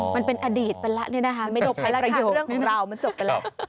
มันเป็นอดีตไปแล้วเนี่ยนะคะเรื่องของเรามันจบไปแล้ว